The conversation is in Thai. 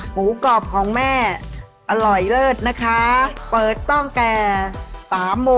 หมูกรอบของแม่อร่อยเลิศนะคะ